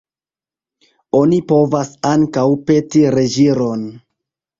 Oni povas ankaŭ peti reĝiron.